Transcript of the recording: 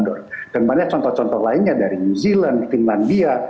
dan banyak contoh contoh lainnya dari new zealand finlandia